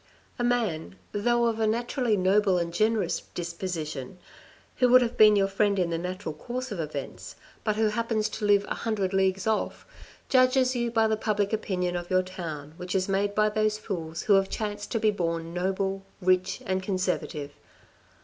A man, though of a naturally noble and generous disposition, who would have been your friend in the natural course of events, but who happens to live a hundred leagues off, judges you by the public opinion of your town which is made by those fools who have chanced to be born noble, rich and conservative.